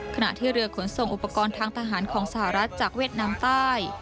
ขณะที่เรือขนส่งอุปกรณ์ทางทหารของสหรัฐจากเวียดนามใต้